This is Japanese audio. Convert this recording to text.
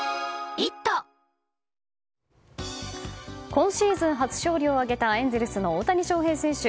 今シーズン初勝利を挙げたエンゼルスの大谷翔平選手。